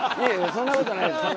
そんな事ないです。